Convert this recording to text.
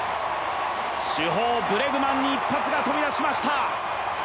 主砲・ブレグマンに一発が飛び出しました。